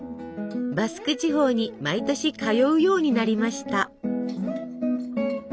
バスク地方に毎年通うようになりました。